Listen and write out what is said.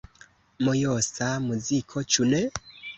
Mojosa muziko, ĉu ne?